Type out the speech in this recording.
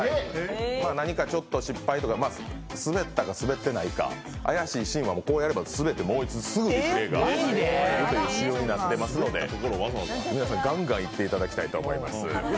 何かちょっと失敗とかスベったかスベってないか、怪しいシーンはこうすればすぐにリプレーが出る仕様になっていますので皆さん、ガンガンいっていただきたいと思います。